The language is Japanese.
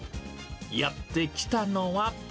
やって来たのは。